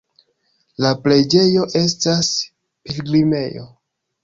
La preĝejo estas pilgrimejo.